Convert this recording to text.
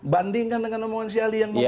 bandingkan dengan omongan si ali